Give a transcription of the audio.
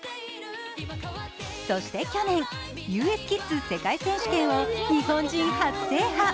そして去年、ＵＳキッズ世界選手権を日本人初制覇。